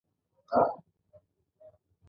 دا پاڅون د بې وزلو لخوا ملاتړ کیده.